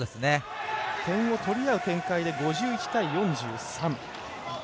点を取り合う展開で５１対４３。